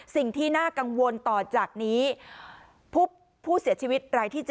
สิ่งที่น่ากังวลต่อจากนี้ผู้เสียชีวิตรายที่๗